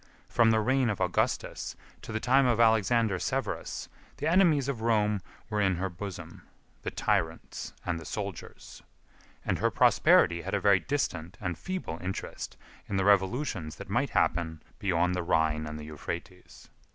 From the reign of Augustus to the time of Alexander Severus, the enemies of Rome were in her bosom—the tyrants and the soldiers; and her prosperity had a very distant and feeble interest in the revolutions that might happen beyond the Rhine and the Euphrates.